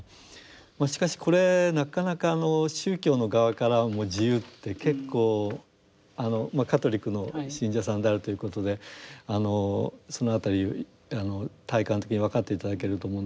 しかしこれなかなか宗教の側からも自由って結構あのカトリックの信者さんであるということであのその辺り体感的に分かって頂けると思うんで。